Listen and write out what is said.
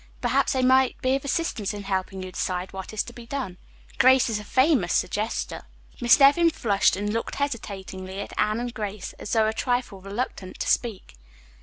Perhaps they might be of assistance in helping you decide what is to be done. Grace is a famous suggester." Miss Nevin flushed and looked hesitatingly at Anne and Grace, as though a trifle reluctant to speak.